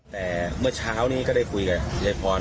แต่เมื่อเช้านี้ก็ได้คุยกับยายพร